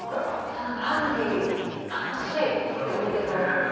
ラグビー楽しいって見てて思って。